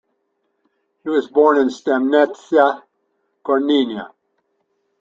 He was born in Stemnitsa, Gortynia.